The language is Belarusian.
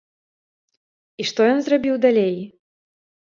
І што ён зрабіў далей?